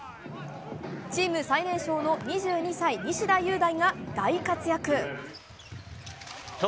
チーム最年少の２２歳、西田優大が大活躍。